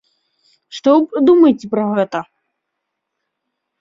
Што вы думаеце пра гэта?